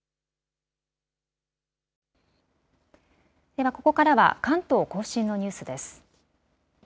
ではここからは関東甲信のニュースです。